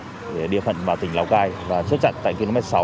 để địa phận vào tỉnh lào cai và chốt chặn tại km sáu